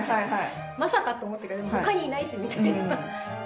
まさかと思ったけど他にいないしみたいな。